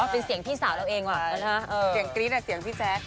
เป็นเสียงพี่หวัดนั้นเองวะเป็นเสียงพี่แจก